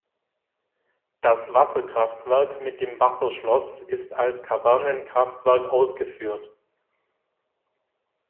Das Wasserkraftwerk mit dem Wasserschloss ist als Kavernenkraftwerk ausgeführt.